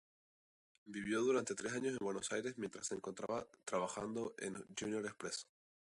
Vivió durante tres años en Buenos Aires mientras se encontraba trabajando en Junior Express.